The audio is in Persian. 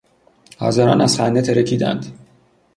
حاضران از خنده ترکیدند.